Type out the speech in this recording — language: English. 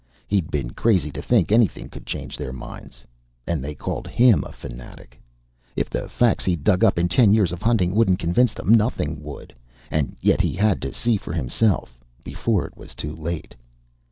He'd been crazy to think anything could change their minds. And they called him a fanatic! If the facts he'd dug up in ten years of hunting wouldn't convince them, nothing would. And yet he had to see for himself, before it was too late!